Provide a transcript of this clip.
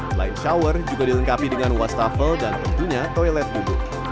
selain shower juga dilengkapi dengan wastafel dan tentunya toilet duduk